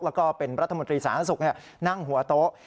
แล้วก็เป็นประรัฐมนตรีสหานศักดิ์ศึกษ์นั่งหัวโต๊ะ